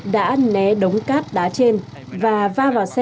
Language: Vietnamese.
đã né đống cát đá trên và va vào xe